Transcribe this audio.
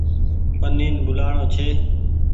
ٻينين ٻولآڻو ڇي